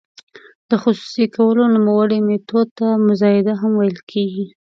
د خصوصي کولو نوموړي میتود ته مزایده هم ویل کیږي.